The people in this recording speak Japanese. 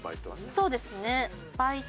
そうですね。